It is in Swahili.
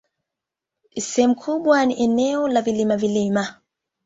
Sehemu kubwa ni eneo la vilima-vilima.